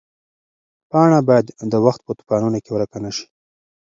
پاڼه باید د وخت په توپانونو کې ورکه نه شي.